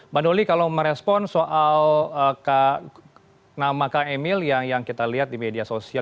mbak noli kalau merespon soal nama kak emil yang kita lihat di media sosial